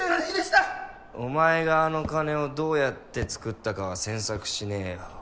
お前があの金をどうやってつくったかは詮索しねぇよ。